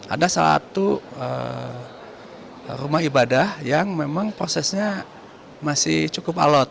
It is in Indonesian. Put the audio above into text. ada salah satu rumah ibadah yang memang prosesnya masih cukup alot